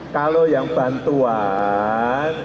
kalau yang bantuan